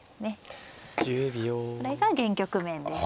これが現局面です。